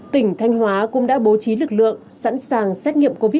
tỉnh thanh hóa cũng đã bố trí lực lượng sẵn sàng xét nghiệm covid một mươi chín